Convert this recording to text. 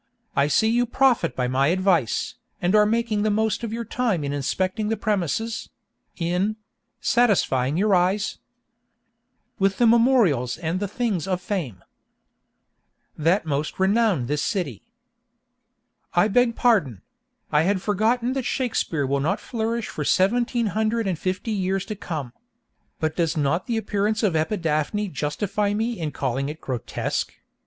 I see you profit by my advice, and are making the most of your time in inspecting the premises—in —satisfying your eyes With the memorials and the things of fame That most renown this city.— I beg pardon; I had forgotten that Shakespeare will not flourish for seventeen hundred and fifty years to come. But does not the appearance of Epidaphne justify me in calling it grotesque?